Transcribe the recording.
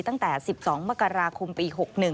ตั้งแต่๑๒มกราคมปี๖๑